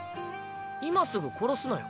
今すぐ殺すなよ。